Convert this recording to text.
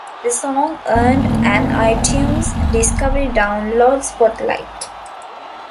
The song earned an iTunes "Discovery Download" spotlight.